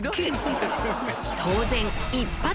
［当然一発］